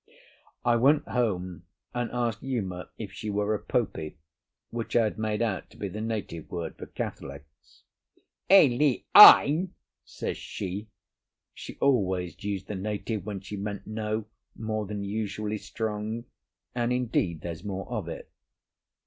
I went home and asked Uma if she were a Popey, which I had made out to be the native word for Catholics. "E le ai!" says she. She always used the native when she meant "no" more than usually strong, and, indeed, there's more of it.